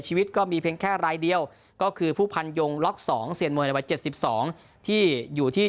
ชีวิตก็มีเพียงแค่รายเดียวก็คือผู้พันยงล็อก๒เซียนมวยในวัย๗๒ที่อยู่ที่